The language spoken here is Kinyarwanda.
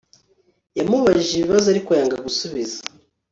Yamubajije ibibazo ariko yanga gusubiza